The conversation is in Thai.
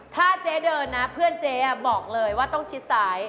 ถ้าเจ๊เดินนะเพื่อนเจ๊บอกเลยว่าต้องชิดซ้าย